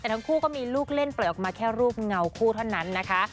แต่ทั้งคู่ก็มีลูกเล่นปล่อยออกมาแค่รูปเงาคู่เท่านั้นนะคะ